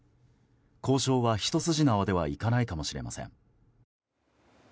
交渉は、ひと筋縄ではいかないかもしれません。